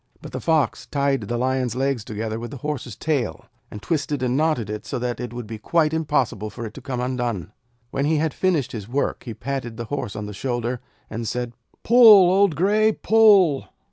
But the Fox tied the Lion's legs together with the Horse's tail, and twisted and knotted it so that it would be quite impossible for it to come undone. When he had finished his work he patted the Horse on the shoulder, and said: 'Pull, old Grey! Pull!'